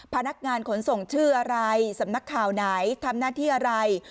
พนักงานขนส่งชื่ออะไรสำนักข่าวไหนทำหน้าที่อะไร